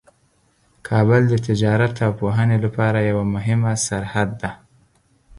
کابل د تجارت او پوهنې لپاره یوه مهمه سرحد ده.